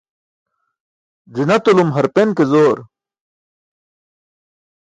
Ẓi̇natulum harpan ke zoor.